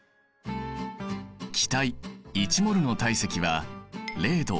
気体１ｍｏｌの体積は０℃